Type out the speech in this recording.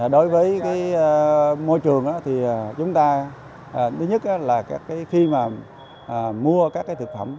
đối với môi trường thứ nhất là khi mua các loại